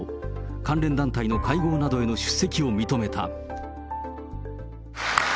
関連団体の会合などへの出席を認めた。